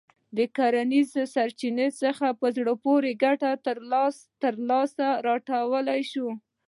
له کرنیزو سرچينو څخه په زړه پورې ګټه لاسته راتلای شي.